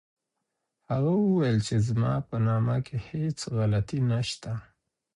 هغه وویل چي زما په نامه کي هیڅ غلطي نسته.